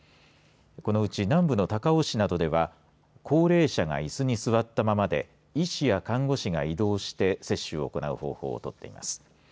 このうち南部の高雄市などでは高齢者がいすに座ったままで医師や看護師が移動して接種を行う方法をとっています。